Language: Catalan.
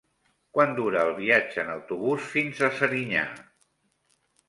Quant dura el viatge en autobús fins a Serinyà?